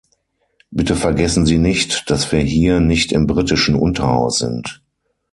Bitte vergessen Sie nicht, dass wir hier nicht im britischen Unterhaus sind.